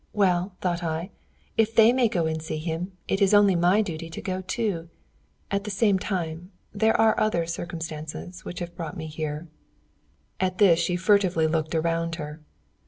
Well, thought I, if they may go and see him, it is only my duty to go too. At the same time there are other circumstances which have brought me here." At this she furtively looked around her.